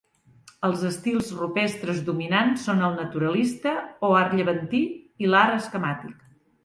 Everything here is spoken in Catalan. Els estils rupestres dominants són el naturalista, o art llevantí, i l'art esquemàtic.